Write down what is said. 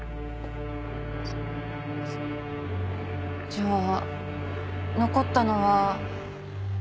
じゃあ残ったのは。